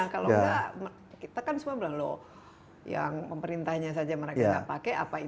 kalau enggak kita kan semua bilang loh yang pemerintahnya saja mereka enggak pakai apa yang mereka pakai